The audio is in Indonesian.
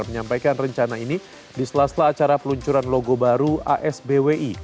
menyampaikan rencana ini di sela sela acara peluncuran logo baru asbwi